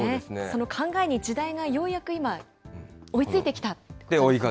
その考えに時代がようやく今、追いついてきたという。